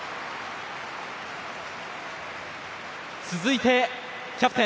続いてキャプテン。